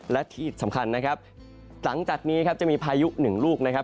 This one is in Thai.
และที่สำคัญนะครับหลังจากนี้ครับจะมีพายุหนึ่งลูกนะครับ